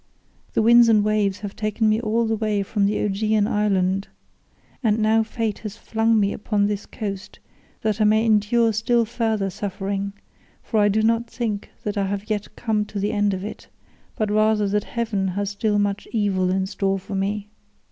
The winds and waves have taken me all the way from the Ogygian island,55 and now fate has flung me upon this coast that I may endure still further suffering; for I do not think that I have yet come to the end of it, but rather that heaven has still much evil in store for me.